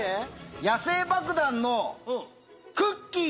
野性爆弾のくっきー！